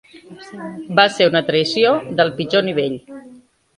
Va ser una traïció del pitjor nivell.